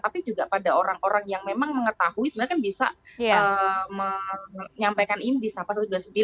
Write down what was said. tapi juga pada orang orang yang memang mengetahui sebenarnya kan bisa menyampaikan ini di sapa satu ratus dua puluh sembilan